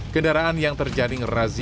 kendaraan yang terjadi ngerazi